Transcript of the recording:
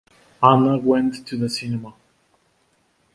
There were more than half a dozen telescopes in the laboratory.